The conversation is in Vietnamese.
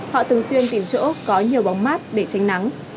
họ thường xuyên tìm chỗ có nhiều bóng mát để tránh nắng